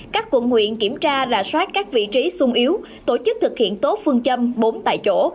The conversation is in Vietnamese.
các quận huyện kiểm tra rà soát các vị trí sung yếu tổ chức thực hiện tốt phương châm bốn tại chỗ